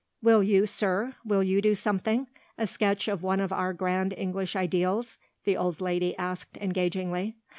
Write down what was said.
"Will you, sir will you do something? A sketch of one of our grand English ideals?" the old lady asked engagingly.